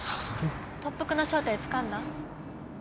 特服の正体つかんだ？